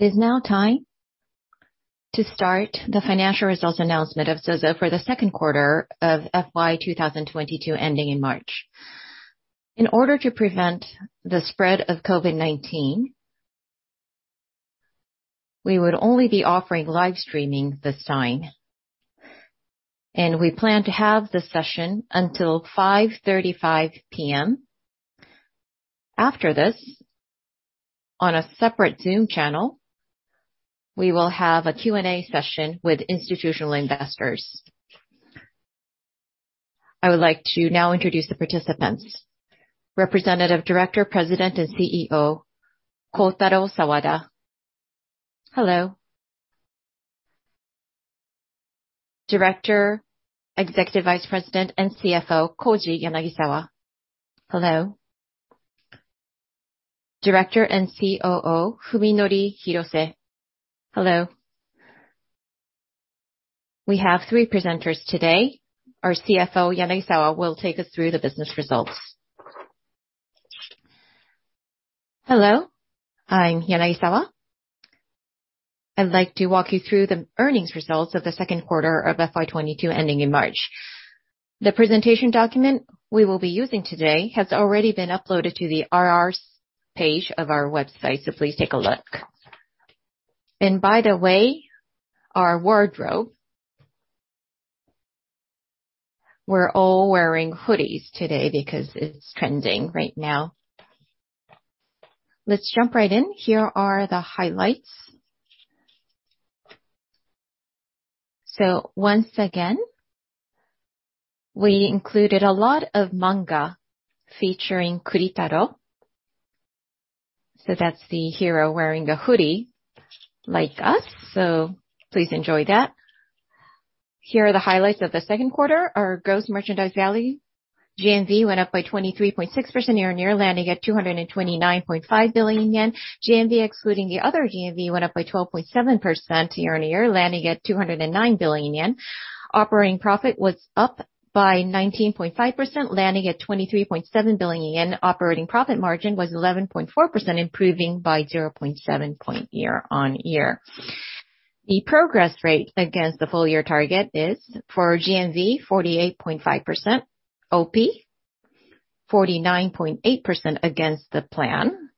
It is now time to start the financial results announcement of ZOZO for the Q2 of FY 2022, ending in March. In order to prevent the spread of COVID-19, we would only be offering live streaming this time, and we plan to have the session until 5:35 P.M. After this, on a separate Zoom channel, we will have a Q&A session with institutional investors. I would like to now introduce the participants. Representative Director, President, and CEO, Kotaro Sawada. Hello. Director, Executive Vice President, and CFO, Koji Yanagisawa. Hello. Director and COO, Fuminori Hirose. Hello. We have three presenters today. Our CFO, Yanagisawa, will take us through the business results. Hello, I'm Yanagisawa. I'd like to walk you through the earnings results of the Q2 of FY 2022 ending in March. The presentation document we will be using today has already been uploaded to the RR's page of our website, so please take a look. By the way, our wardrobe, we're all wearing hoodies today because it's trending right now. Let's jump right in. Here are the highlights. Once again, we included a lot of manga featuring Kuritaro. That's the hero wearing a hoodie like us, so please enjoy that. Here are the highlights of the Q2. Our gross merchandise value, GMV, went up by 23.6% year-on-year, landing at 229.5 billion yen. GMV, excluding the other GMV, went up by 12.7% year-on-year, landing at 209 billion yen. Operating profit was up by 19.5%, landing at 23.7 billion yen. Operating profit margin was 11.4%, improving by 0.7 percentage points year-on-year. The progress rate against the full year target is for GMV 48.5%, OP 49.8% against the plan.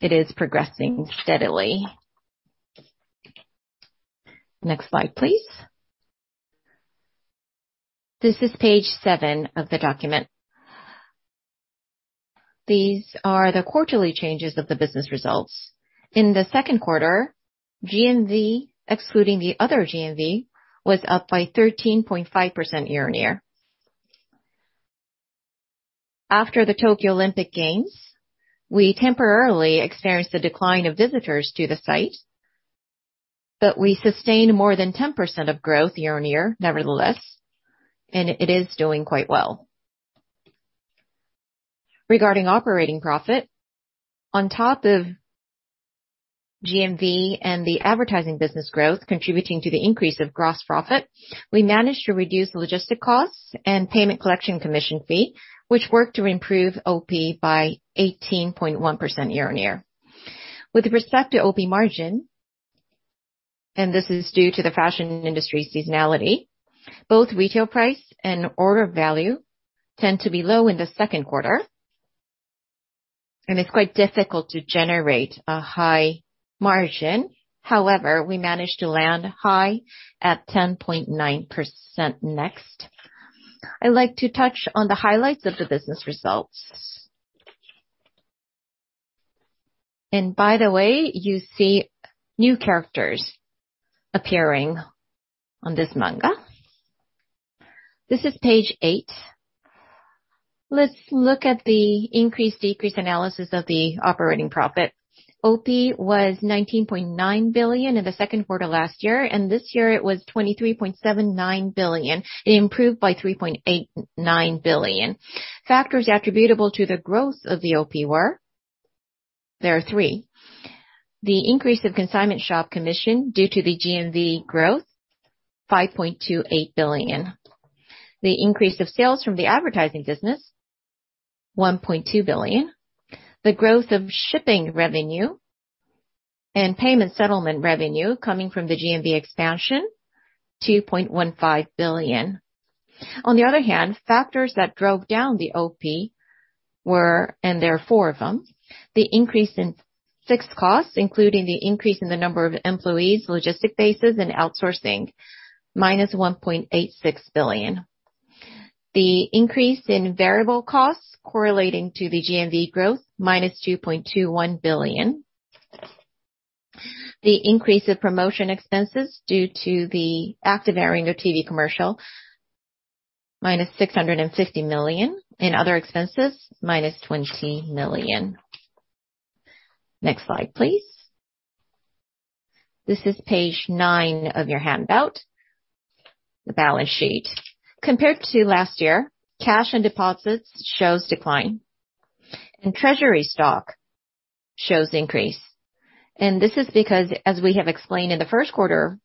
It is progressing steadily. Next slide, please. This is page 7 of the document. These are the quarterly changes of the business results. In the Q2, GMV, excluding the other GMV, was up by 13.5% year-on-year. After the Tokyo Olympic Games, we temporarily experienced a decline of visitors to the site, but we sustained more than 10% of growth year-on-year nevertheless, and it is doing quite well. Regarding operating profit, on top of GMV and the advertising business growth contributing to the increase of gross profit, we managed to reduce logistics costs and payment collection commission fee, which worked to improve OP by 18.1% year-on-year. With respect to OP margin, this is due to the fashion industry seasonality, both retail price and order value tend to be low in the Q2, and it's quite difficult to generate a high margin. However, we managed to land high at 10.9%. Next. I'd like to touch on the highlights of the business results. By the way, you see new characters appearing on this manga. This is page eight. Let's look at the increase/decrease analysis of the operating profit. OP was 19.9 billion in the Q2 last year, and this year it was 23.79 billion. It improved by 3.89 billion. Factors attributable to the growth of the OP were, there are three. The increase of consignment shop commission due to the GMV growth, 5.28 billion. The increase of sales from the advertising business, 1.2 billion. The growth of shipping revenue and payment settlement revenue coming from the GMV expansion, 2.15 billion. On the other hand, factors that drove down the OP were, there are four of them. The increase in fixed costs, including the increase in the number of employees, logistic bases, and outsourcing, -1.86 billion. The increase in variable costs correlating to the GMV growth, -2.21 billion. The increase of promotion expenses due to the active airing of TV commercial, -650 million. Other expenses, -20 million. Next slide, please. This is page nine of your handout. The balance sheet. Compared to last year, cash and deposits shows decline, and treasury stock shows increase. This is because, as we have explained in the Q1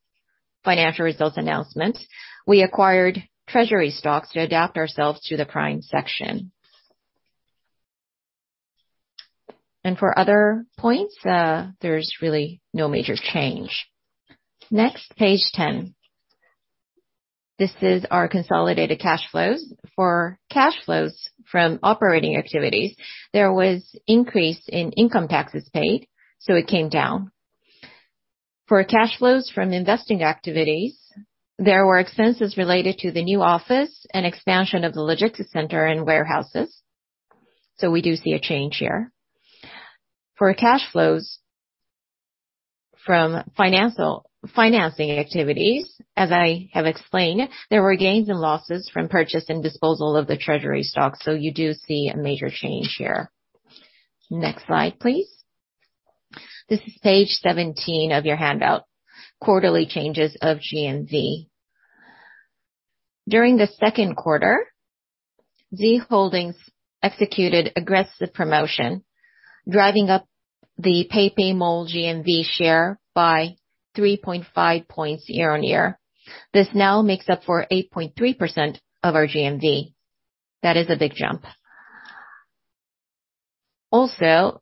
financial results announcement, we acquired treasury stocks to adapt ourselves to the Prime Market. For other points, there's really no major change. Next, page 10. This is our consolidated cash flows. For cash flows from operating activities, there was increase in income taxes paid, so it came down. For cash flows from investing activities, there were expenses related to the new office and expansion of the logistics center and warehouses. We do see a change here. For cash flows from financing activities, as I have explained, there were gains and losses from purchase and disposal of the treasury stock. You do see a major change here. Next slide, please. This is page 17 of your handout. Quarterly changes of GMV. During the Q2, Z Holdings executed aggressive promotion, driving up the PayPay Mall GMV share by 3.5 points year-on-year. This now makes up for 8.3% of our GMV. That is a big jump. Also,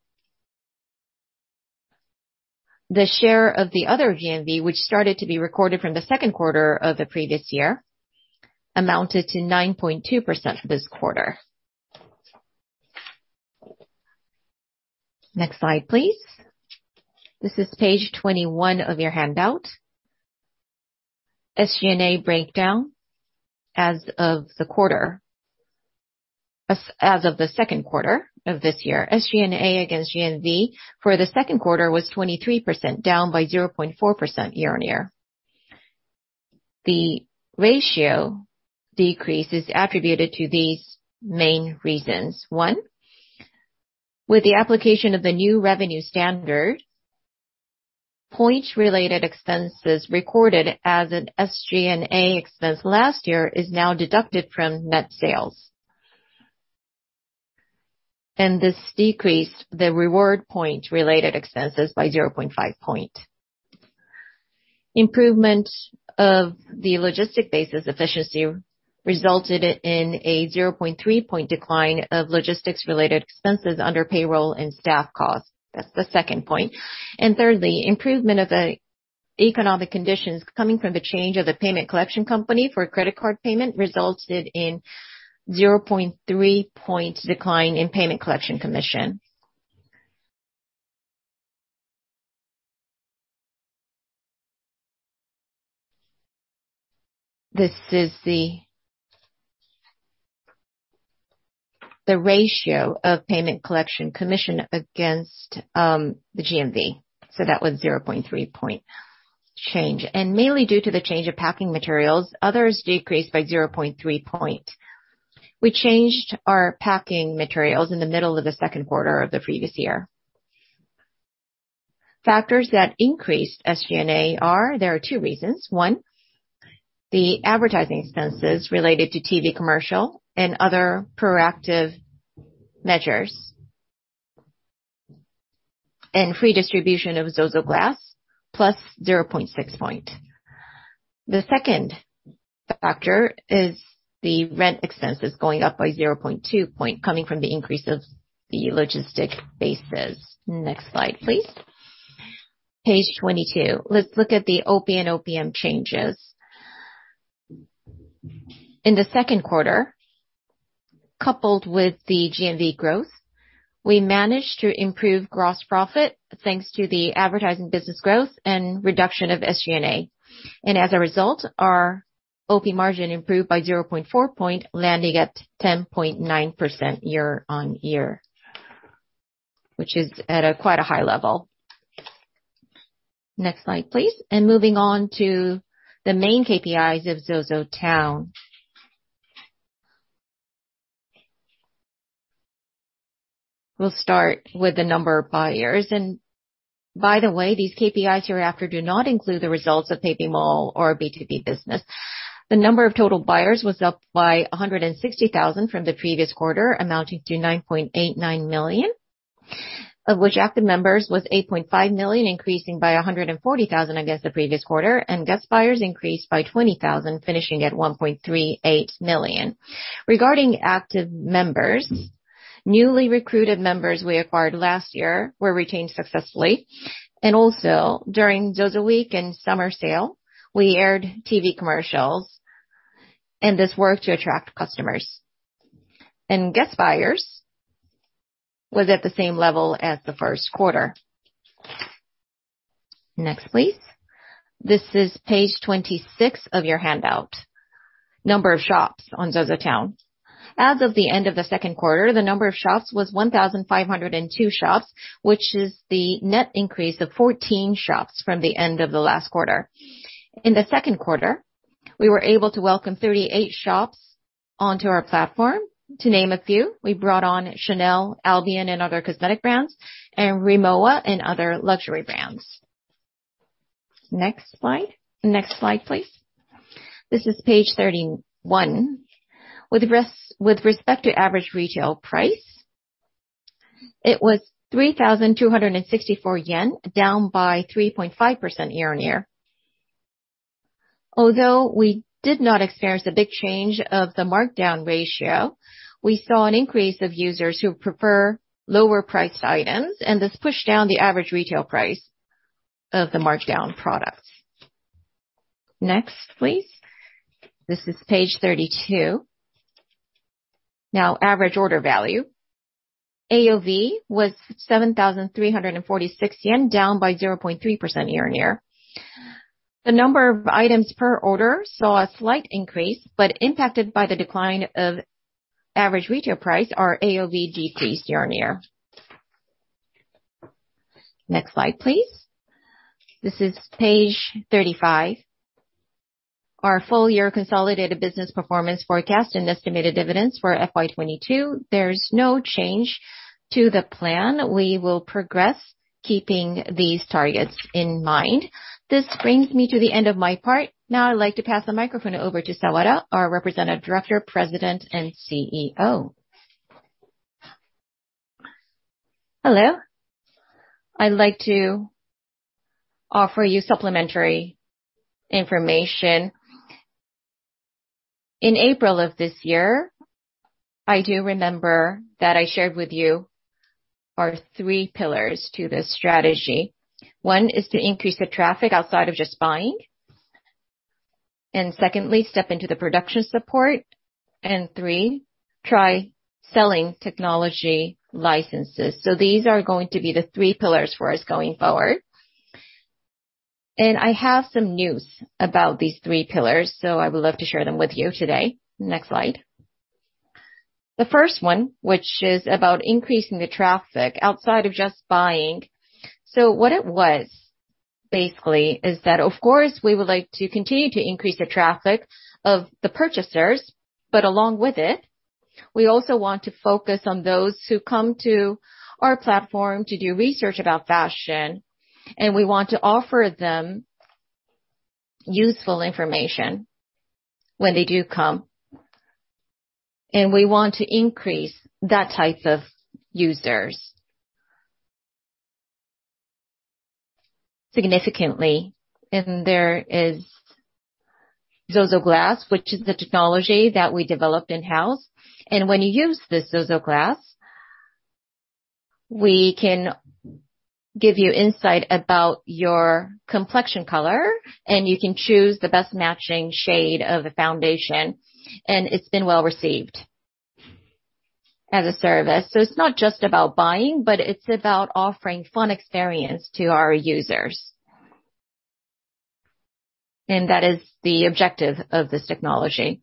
the share of the other GMV, which started to be recorded from the Q2 of the previous year, amounted to 9.2% this quarter. Next slide, please. This is page 21 of your handout. SG&A breakdown as of the quarter. As of the Q2 of this year, SG&A against GMV for the Q2 was 23%, down by 0.4% year-on-year. The ratio decrease is attributed to these main reasons. One, with the application of the new revenue standard, points related expenses recorded as an SG&A expense last year is now deducted from net sales. This decreased the reward point related expenses by 0.5 point. Improvement of the logistics business efficiency resulted in a 0.3 point decline of logistics related expenses under payroll and staff costs. That's the second point. Thirdly, improvement of economic conditions coming from the change of the payment collection company for credit card payment resulted in 0.3 point decline in payment collection commission. This is the ratio of payment collection commission against the GMV, so that was 0.3 point change. Mainly due to the change of packing materials, others decreased by 0.3 point. We changed our packing materials in the middle of the Q2 of the previous year. Factors that increased SG&A are. There are two reasons. One, the advertising expenses related to TV commercial and other proactive measures. Free distribution of ZOZOGLASS plus 0.6 point. The second factor is the rent expenses going up by 0.2 point, coming from the increase of the logistics bases. Next slide, please. Page 22. Let's look at the OP and OPM changes. In the Q2, coupled with the GMV growth, we managed to improve gross profit thanks to the advertising business growth and reduction of SG&A. As a result, our OP margin improved by 0.4 point, landing at 10.9% year-over-year, which is at quite a high level. Next slide, please. Moving on to the main KPIs of ZOZOTOWN. We'll start with the number of buyers. By the way, these KPIs hereafter do not include the results of PayPay Mall or B2B business. The number of total buyers was up by 160,000 from the previous quarter, amounting to 9.89 million, of which active members was 8.5 million, increasing by 140,000 against the previous quarter, and guest buyers increased by 20,000, finishing at 1.38 million. Regarding active members, newly recruited members we acquired last year were retained successfully. Also during ZOZO Week and summer sale, we aired TV commercials, and this worked to attract customers. Guest buyers was at the same level as the Q1. Next, please. This is page 26 of your handout. Number of shops on ZOZOTOWN. As of the end of the Q2, the number of shops was 1,502 shops, which is the net increase of 14 shops from the end of the last quarter. In the Q2, we were able to welcome 38 shops onto our platform. To name a few, we brought on Chanel, Albion and other cosmetic brands, and RIMOWA and other luxury brands. Next slide. Next slide, please. This is page 31. With respect to average retail price, it was 3,264 yen, down by 3.5% year-on-year. Although we did not experience a big change of the markdown ratio, we saw an increase of users who prefer lower priced items, and this pushed down the average retail price of the markdown products. Next, please. This is page 32. Now average order value. AOV was 7,346 yen, down by 0.3% year-on-year. The number of items per order saw a slight increase, but impacted by the decline of average retail price, our AOV decreased year-on-year. Next slide, please. This is page 35. Our full year consolidated business performance forecast and estimated dividends for FY 2022, there's no change to the plan. We will progress keeping these targets in mind. This brings me to the end of my part. Now I'd like to pass the microphone over to Sawada, our Representative Director, President, and CEO. Hello. I'd like to offer you supplementary information. In April of this year, I do remember that I shared with you our three pillars to this strategy. One is to increase the traffic outside of just buying. Secondly, step into the production support. Three, try selling technology licenses. These are going to be the three pillars for us going forward. I have some news about these three pillars, so I would love to share them with you today. Next slide. The first one, which is about increasing the traffic outside of just buying, is that of course we would like to continue to increase the traffic of the purchasers, but along with it, we also want to focus on those who come to our platform to do research about fashion, and we want to offer them useful information when they do come. We want to increase that type of users significantly. There is ZOZOGLASS, which is the technology that we developed in-house. When you use this ZOZOGLASS, we can give you insight about your complexion color, and you can choose the best matching shade of the foundation, and it's been well-received as a service. It's not just about buying, but it's about offering fun experience to our users. That is the objective of this technology.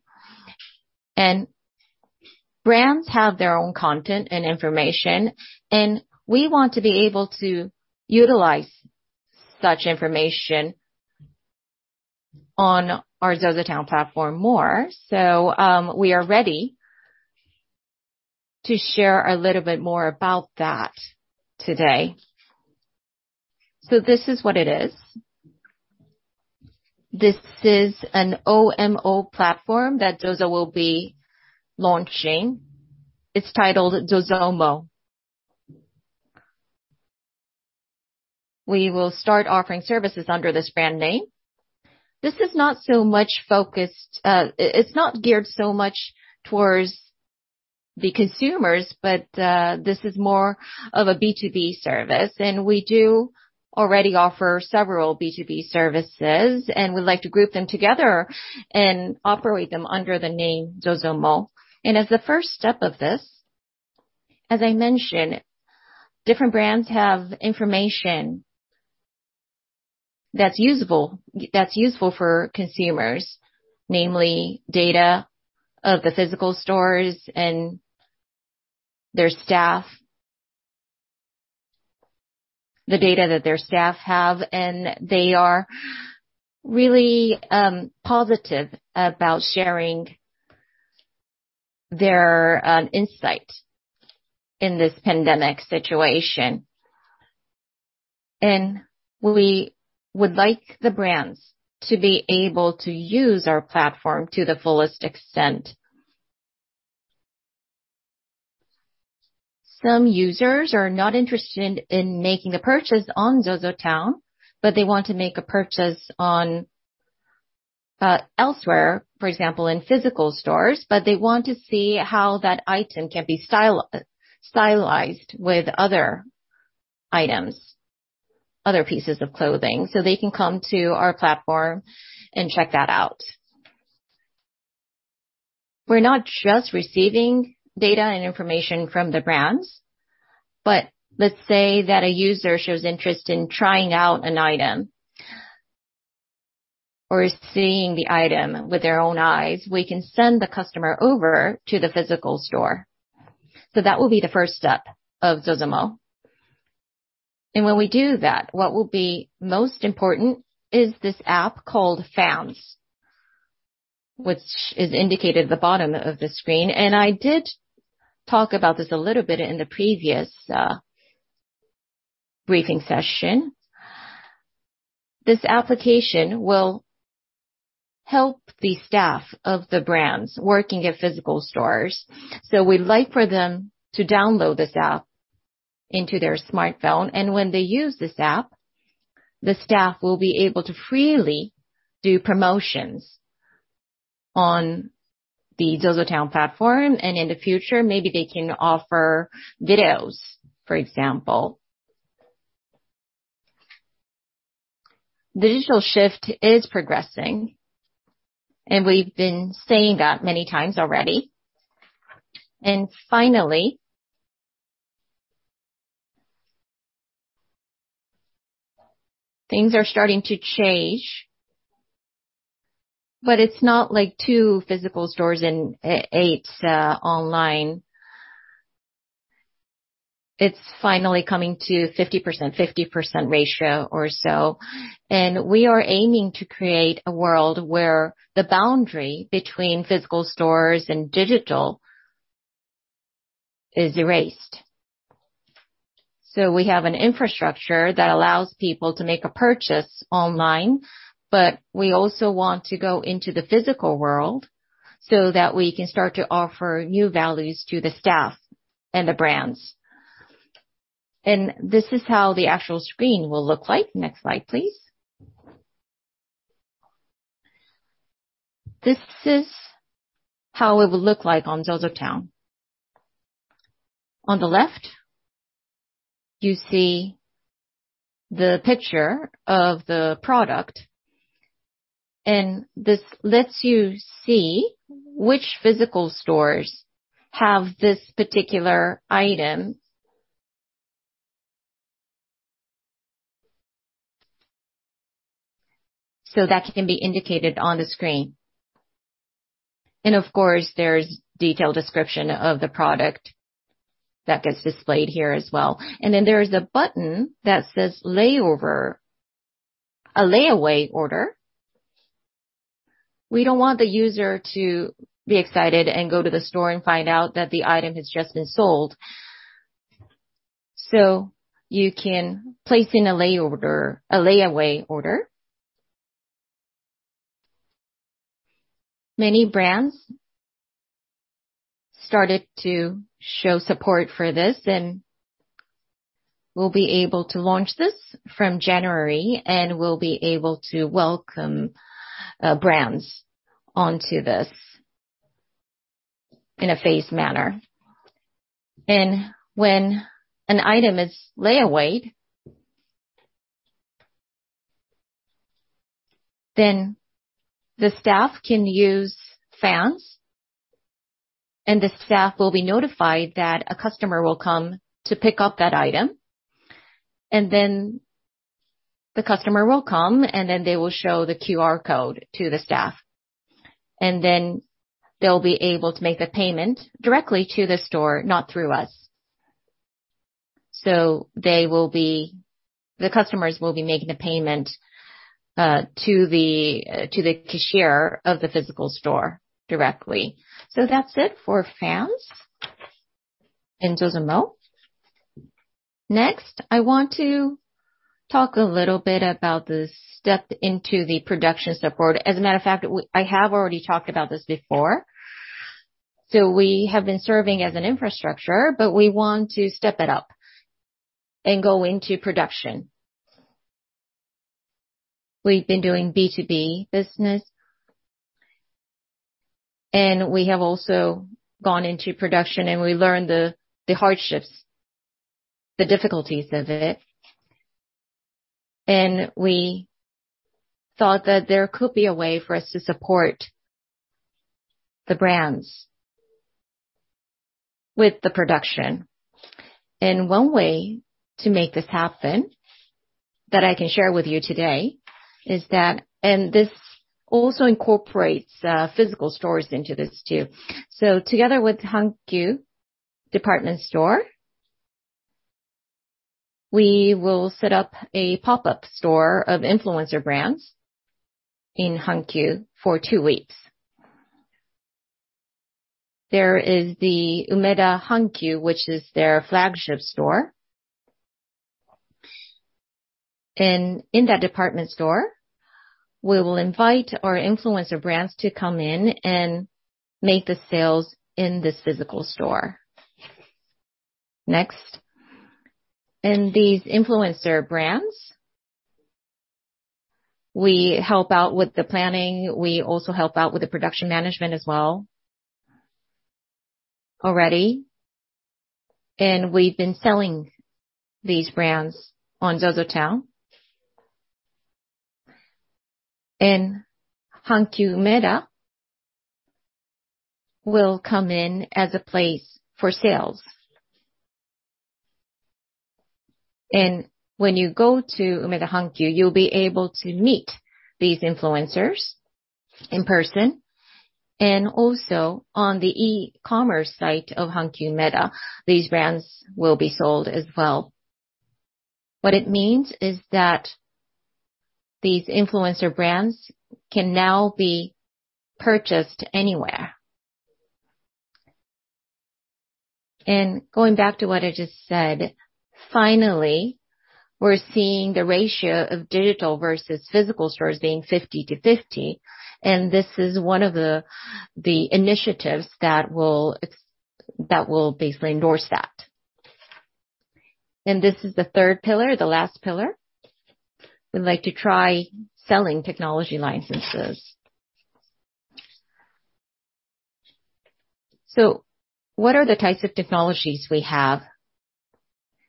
Brands have their own content and information, and we want to be able to utilize such information on our ZOZOTOWN platform more. We are ready to share a little bit more about that today. This is what it is. This is an OMO platform that ZOZO will be launching. It's titled ZOZOMO. We will start offering services under this brand name. This is not so much focused. It's not geared so much towards the consumers, but this is more of a B2B service, and we do already offer several B2B services, and we'd like to group them together and operate them under the name ZOZOMO. As the first step of this, as I mentioned, different brands have information that's useful for consumers, namely data of the physical stores and their staff, the data that their staff have, and they are really positive about sharing their insight in this pandemic situation. We would like the brands to be able to use our platform to the fullest extent. Some users are not interested in making a purchase on ZOZOTOWN, but they want to make a purchase on elsewhere, for example, in physical stores, but they want to see how that item can be stylized with other items, other pieces of clothing, so they can come to our platform and check that out. We're not just receiving data and information from the brands, but let's say that a user shows interest in trying out an item or seeing the item with their own eyes. We can send the customer over to the physical store. That will be the first step of ZOZOMO. When we do that, what will be most important is this app called FAANS, which is indicated at the bottom of the screen. I did talk about this a little bit in the previous briefing session. This application will help the staff of the brands working at physical stores. We'd like for them to download this app into their smartphone. When they use this app, the staff will be able to freely do promotions on the ZOZOTOWN platform. In the future, maybe they can offer videos, for example. Digital shift is progressing, and we've been saying that many times already. Finally, things are starting to change, but it's not like 80 physical stores and 20 online. It's finally coming to 50%-50% ratio or so. We are aiming to create a world where the boundary between physical stores and digital is erased. We have an infrastructure that allows people to make a purchase online, but we also want to go into the physical world so that we can start to offer new values to the staff and the brands. This is how the actual screen will look like. Next slide, please. This is how it will look like on ZOZOTOWN. On the left, you see the picture of the product, and this lets you see which physical stores have this particular item. That can be indicated on the screen. Of course, there's detailed description of the product that gets displayed here as well. Then there is a button that says layaway. A layaway order. We don't want the user to be excited and go to the store and find out that the item has just been sold. You can place in a lay order, a layaway order. Many brands started to show support for this, and we'll be able to launch this from January, and we'll be able to welcome brands onto this in a phased manner. When an item is layawayed, then the staff can use FAANS, and the staff will be notified that a customer will come to pick up that item. Then the customer will come, and then they will show the QR code to the staff. Then they'll be able to make the payment directly to the store, not through us. The customers will be making the payment to the cashier of the physical store directly. That's it for Fans and ZOZOMO. Next, I want to talk a little bit about the step into the production support. As a matter of fact, I have already talked about this before. We have been serving as an infrastructure, but we want to step it up and go into production. We've been doing B2B business, and we have also gone into production, and we learned the hardships, the difficulties of it. We thought that there could be a way for us to support the brands with the production. One way to make this happen that I can share with you today is that this also incorporates physical stores into this too. Together with Hankyu Department Store, we will set up a pop-up store of influencer brands in Hankyu for two weeks. There is the Umeda Hankyu, which is their flagship store. In that department store, we will invite our influencer brands to come in and make the sales in this physical store. Next. These influencer brands, we help out with the planning. We also help out with the production management as well already. We've been selling these brands on ZOZOTOWN. Umeda Hankyu will come in as a place for sales. When you go to Umeda Hankyu, you'll be able to meet these influencers in person. Also on the e-commerce site of Umeda Hankyu, these brands will be sold as well. What it means is that these influencer brands can now be purchased anywhere. Going back to what I just said, finally, we're seeing the ratio of digital versus physical stores being 50-50. This is one of the initiatives that will basically endorse that. This is the third pillar, the last pillar. We'd like to try selling technology licenses. What are the types of technologies we have?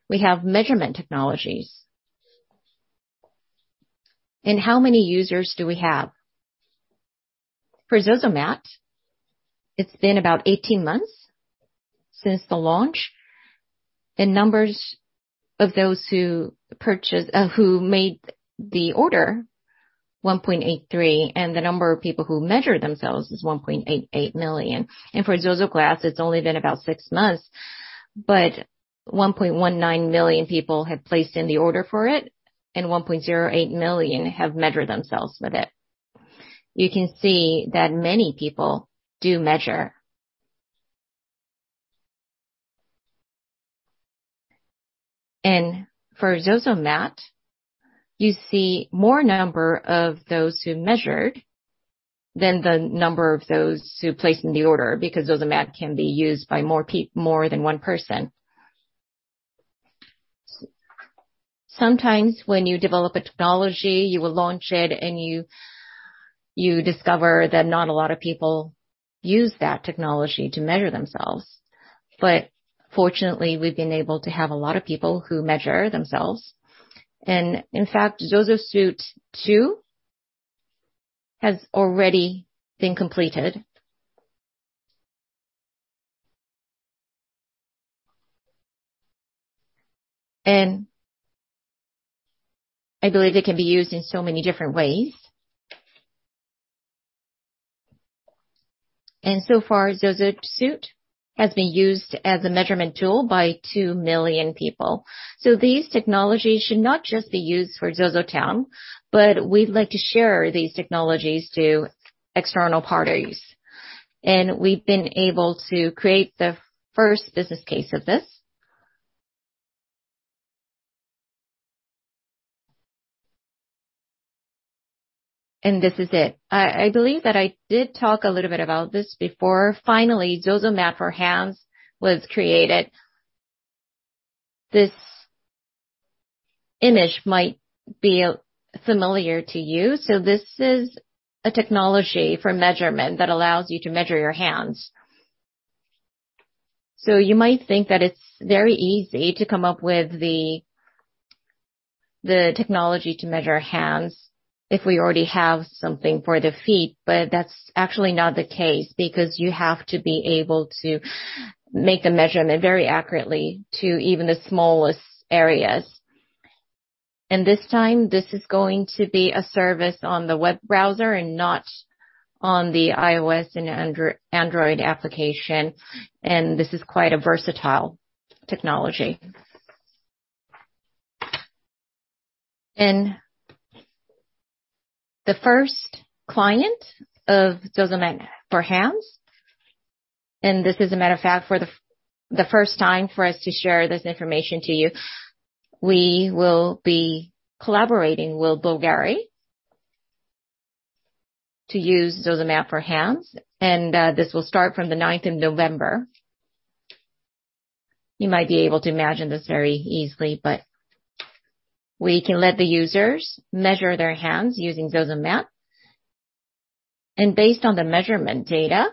We have measurement technologies. How many users do we have? For ZOZOMAT, it's been about 18 months since the launch, and the number of those who placed an order is 1.83 million, and the number of people who measure themselves is 1.88 million. For ZOZOGLASS, it's only been about 6 months, but 1.19 million people have placed an order for it, and 1.08 million have measured themselves with it. You can see that many people do measure. For ZOZOMAT, you see more number of those who measured than the number of those who placed an order, because ZOZOMAT can be used by more than one person. Sometimes when you develop a technology, you will launch it, and you discover that not a lot of people use that technology to measure themselves. Fortunately, we've been able to have a lot of people who measure themselves. In fact, ZOZOSUIT 2 has already been completed. I believe it can be used in so many different ways. So far, ZOZOSUIT has been used as a measurement tool by 2 million people. These technologies should not just be used for ZOZOTOWN, but we'd like to share these technologies to external parties. We've been able to create the first business case of this. This is it. I believe that I did talk a little bit about this before. Finally, ZOZOMAT for Hands was created. This image might be familiar to you. This is a technology for measurement that allows you to measure your hands. You might think that it's very easy to come up with the technology to measure hands if we already have something for the feet, but that's actually not the case, because you have to be able to make the measurement very accurately to even the smallest areas. This time, this is going to be a service on the web browser and not on the iOS and Android application. This is quite a versatile technology. The first client of ZOZOMAT for Hands, and this is as a matter of fact, for the first time for us to share this information to you, we will be collaborating with BVLGARI to use ZOZOMAT for Hands. This will start from November 9th. You might be able to imagine this very easily, but we can let the users measure their hands using ZOZOMAT. Based on the measurement data,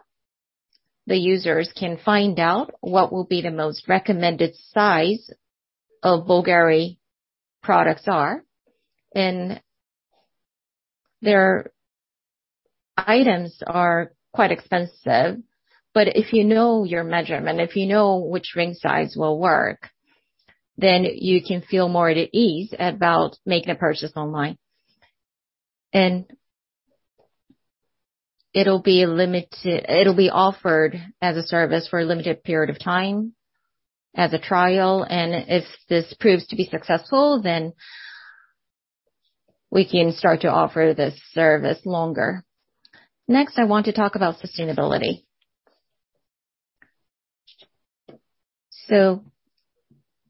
the users can find out what will be the most recommended size of BVLGARI products are. Their items are quite expensive. If you know your measurement, if you know which ring size will work, then you can feel more at ease about making a purchase online. It'll be limited. It'll be offered as a service for a limited period of time as a trial, and if this proves to be successful, then we can start to offer this service longer. Next, I want to talk about sustainability.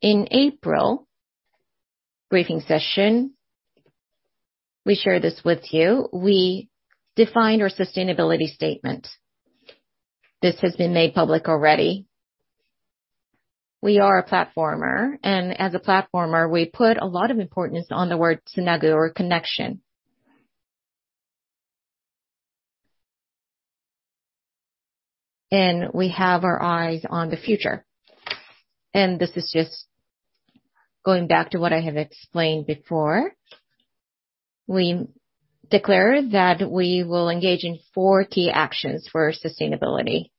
In April briefing session, we shared this with you. We defined our sustainability statement. This has been made public already. We are a platformer, and as a platformer, we put a lot of importance on the word tsunagu or connection. We have our eyes on the future. This is just going back to what I have explained before. We declare that we will engage in four key actions for sustainability.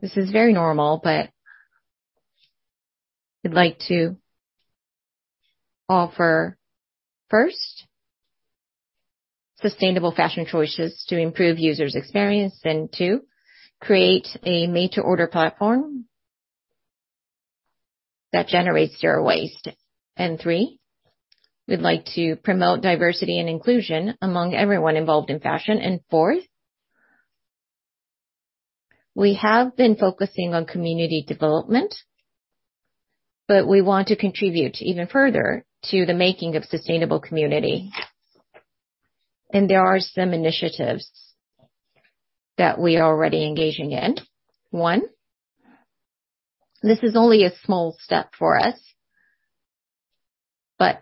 This is very normal, but we'd like to offer, first, sustainable fashion choices to improve users' experience, and two, create a made-to-order platform that generates zero waste. Three, we'd like to promote diversity and inclusion among everyone involved in fashion. Fourth, we have been focusing on community development, but we want to contribute even further to the making of sustainable community. There are some initiatives that we are already engaging in. One, this is only a small step for us, but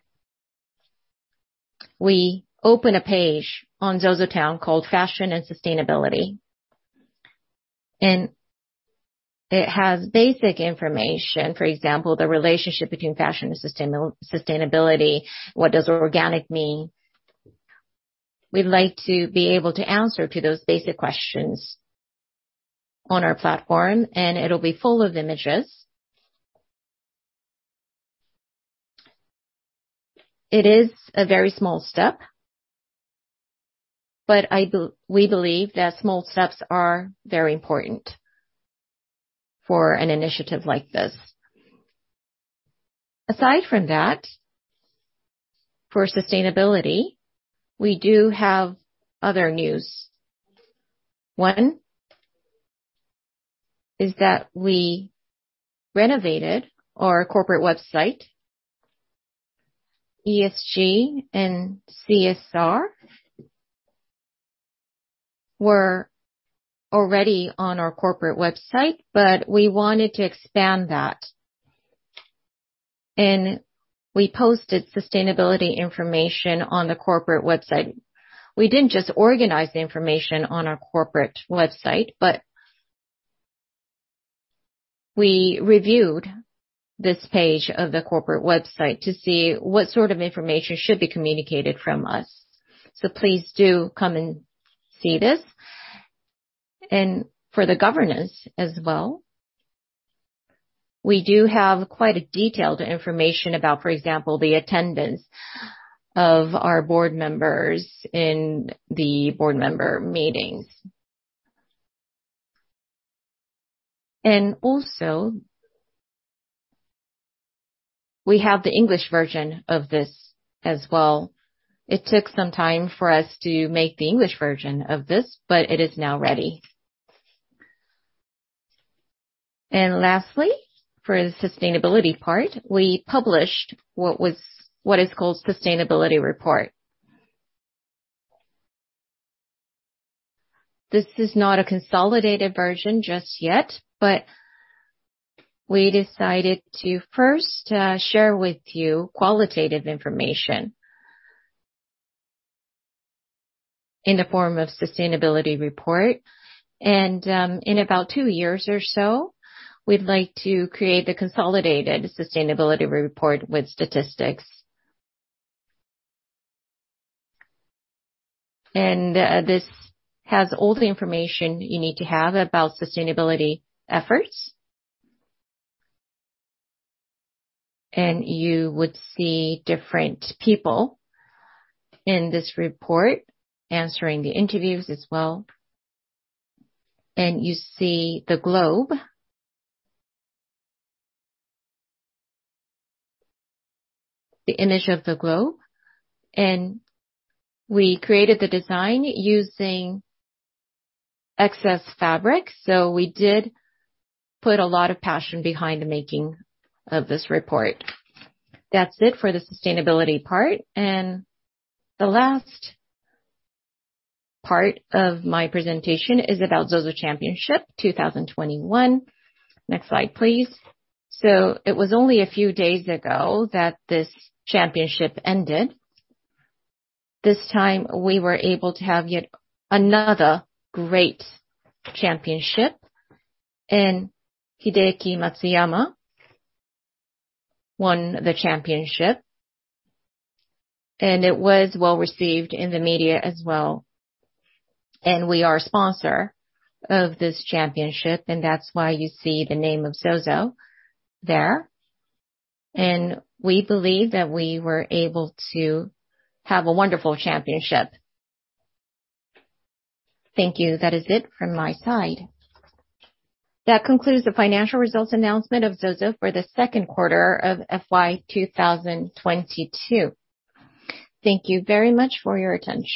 we open a page on ZOZOTOWN called Fashion and Sustainability, and it has basic information. For example, the relationship between fashion and sustainability. What does organic mean? We'd like to be able to answer to those basic questions on our platform, and it'll be full of images. It is a very small step, but we believe that small steps are very important for an initiative like this. Aside from that, for sustainability, we do have other news. One is that we renovated our corporate website. ESG and CSR were already on our corporate website, but we wanted to expand that. We posted sustainability information on the corporate website. We didn't just organize the information on our corporate website, but we reviewed this page of the corporate website to see what sort of information should be communicated from us. Please do come and see this. For the governance as well, we do have quite a detailed information about, for example, the attendance of our board members in the board member meetings. Also, we have the English version of this as well. It took some time for us to make the English version of this, but it is now ready. Lastly, for the sustainability part, we published what is called sustainability report. This is not a consolidated version just yet, but we decided to first share with you qualitative information in the form of sustainability report. In about two years or so, we'd like to create the consolidated sustainability report with statistics. This has all the information you need to have about sustainability efforts. You would see different people in this report answering the interviews as well. You see the globe. The image of the globe. We created the design using excess fabric, so we did put a lot of passion behind the making of this report. That's it for the sustainability part. The last part of my presentation is about ZOZO Championship 2021. Next slide, please. It was only a few days ago that this championship ended. This time we were able to have yet another great championship. Hideki Matsuyama won the championship, and it was well-received in the media as well. We are a sponsor of this championship, and that's why you see the name of ZOZO there. We believe that we were able to have a wonderful championship. Thank you. That is it from my side. That concludes the financial results announcement of ZOZO for the Q2 of FY 2022. Thank you very much for your attention.